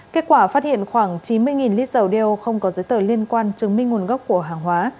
kết quả phát hiện khoảng chín mươi lít dầu đeo không có giấy tờ liên quan chứng minh nguồn gốc của hàng hóa